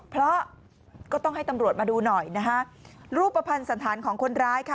เพราะก็ต้องให้ตำรวจมาดูหน่อยนะคะรูปภัณฑ์สันธารของคนร้ายค่ะ